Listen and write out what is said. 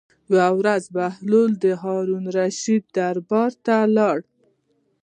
یوه ورځ بهلول د هارون الرشید دربار ته لاړ.